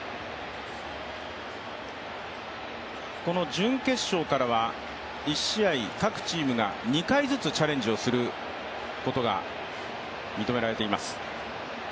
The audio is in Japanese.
準決勝からは１試合各チームが２回ずつチャレンジをすることが認められています。